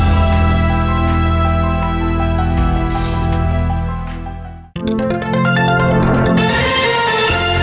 โปรดติดตามตอนต่อไป